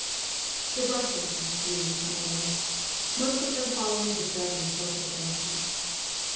The Russians were few among us, most of them following the German social democrats.